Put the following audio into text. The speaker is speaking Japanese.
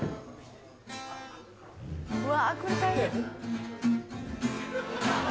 わこれ大変。